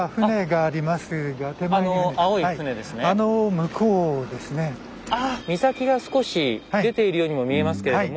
ああ岬が少し出ているようにも見えますけれども。